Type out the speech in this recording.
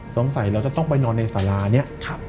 สงสัยเราจะต้องไปนอนในสารานี้